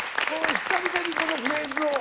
久々にこのフレーズを。